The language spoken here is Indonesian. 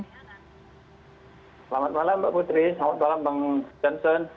selamat malam mbak putri selamat malam bang jansen